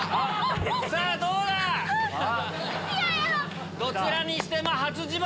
さぁどうだ⁉どちらにしても初自腹！